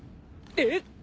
えっ！？